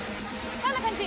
こんな感じ！